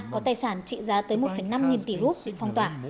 có tài sản trị giá tới một năm nghìn tỷ rút bị phong tỏa